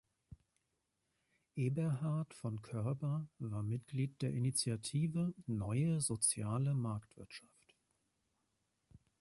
Eberhard von Koerber war Mitglied der Initiative Neue Soziale Marktwirtschaft.